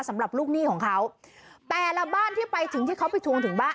สำหรับลูกหนี้ของเขาแต่ละบ้านที่ไปถึงที่เขาไปทวงถึงบ้าน